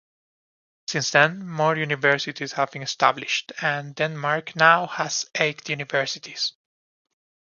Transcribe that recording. Since then, more universities have been established, and Denmark now has eight universities.